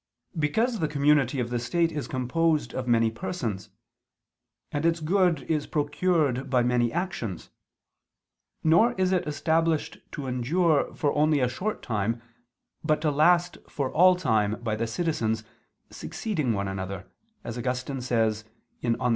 Because the community of the state is composed of many persons; and its good is procured by many actions; nor is it established to endure for only a short time, but to last for all time by the citizens succeeding one another, as Augustine says (De Civ.